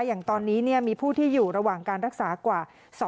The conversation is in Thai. อย่างตอนนี้มีผู้ที่อยู่ระหว่างการรักษากว่า